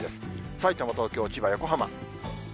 さいたま、東京、千葉、横浜。